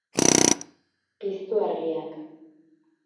Piztu argiak